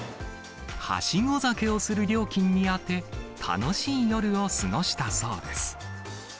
はしご酒をする料金に充て、楽しい夜を過ごしたそうです。